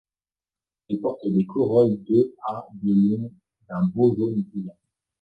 Elles portent des corolles de à de long, d'un beau jaune brillant.